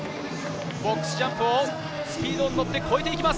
ボックスジャンプをスピードに乗って越えていきます。